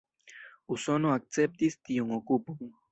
Usono akceptis tiun okupon.